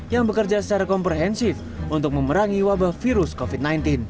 yang bekerja secara komprehensif untuk memerangi wabah virus covid sembilan belas